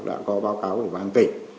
đã có báo cáo của ban tỉnh